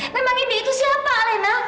memang ini itu siapa alena